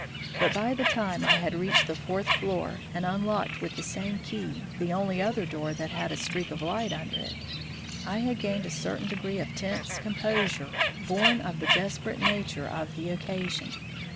But by the time I had reached the fourth floor, and unlocked, with the same key, the only other door that had a streak of light under it, I had gained a certain degree of tense composure born of the desperate nature of the occasion.